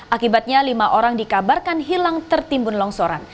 akibatnya lima orang dikabarkan hilang tertimbun longsoran